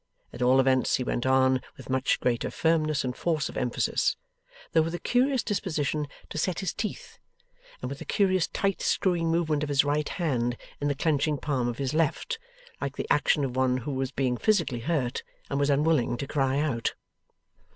At all events he went on with much greater firmness and force of emphasis: though with a curious disposition to set his teeth, and with a curious tight screwing movement of his right hand in the clenching palm of his left, like the action of one who was being physically hurt, and was unwilling to cry out.